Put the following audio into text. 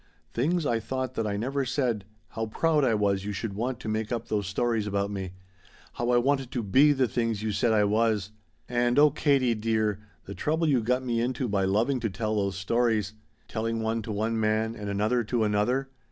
Things I thought that I never said how proud I was you should want to make up those stories about me how I wanted to be the things you said I was and oh, Katie dear, the trouble you got me into by loving to tell those stories telling one to one man and another to another!